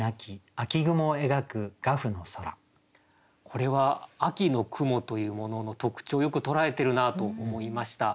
これは秋の雲というものの特徴をよく捉えてるなと思いました。